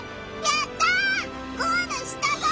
やった！